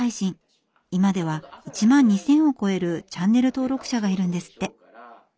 今では１万２，０００を超えるチャンネル登録者がいるんですって。